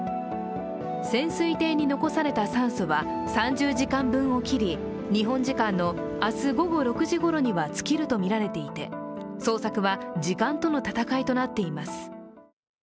潜水艇に残された酸素は３０時間分を切り日本時間の明日午後６時ごろにはつきるとみられていて捜索は時間との闘いとなっています。